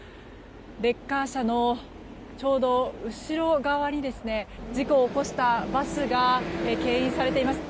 レッカー車のちょうど後ろ側に事故を起こしたバスが牽引されています。